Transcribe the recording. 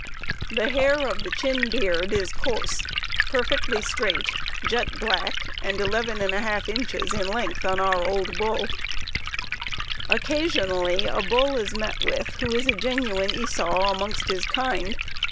The hair of the chin beard is coarse, perfectly straight, jet black, and 111/2 inches in length on our old bull. Occasionally a bull is met with who is a genuine Esau amongst his kind.